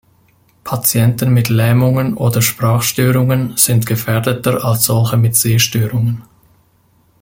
Patienten mit Lähmungen oder Sprachstörungen sind gefährdeter als solche mit Sehstörungen.